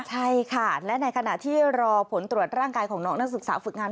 ใช่ค่ะและในขณะที่รอผลตรวจร่างกายของน้องนักศึกษาฝึกงาน